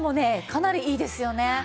かなりいいですよね。